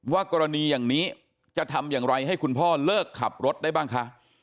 กรณีอย่างนี้จะทำอย่างไรให้คุณพ่อเลิกขับรถได้บ้างคะ